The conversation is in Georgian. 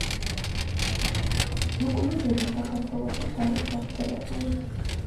ვოკლუზები საქართველოშიც არის გავრცელებული.